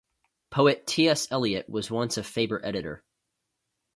Poet T. S. Eliot was once a Faber editor.